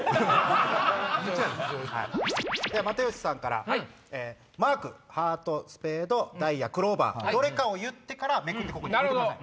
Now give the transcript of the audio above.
又吉さんからハートスペードダイヤクローバーのどれかを言ってからめくってここに置いてください。